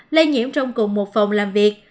lây nhiễm trong cùng một phòng làm việc